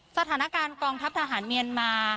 สถานการณ์กองทัพทหารเมียนมา